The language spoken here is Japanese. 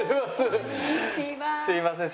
すいません。